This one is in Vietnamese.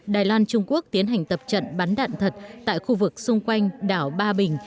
đài loan trung quốc tiến hành tập trận bắn đạn thật tại khu vực xung quanh đảo ba bình